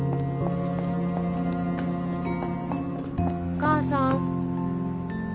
お母さん。